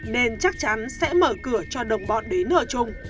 nên chắc chắn sẽ mở cửa cho đồng bọn đến ở chung